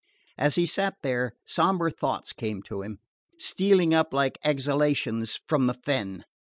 As he sat there sombre thoughts came to him, stealing up like exhalations from the fen.